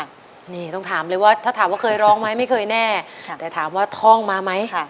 นี่ต้องถามเลยว่าถ้าถามว่าเคยร้องไหมไม่เคยแน่แต่ถามว่าท่องมาไหม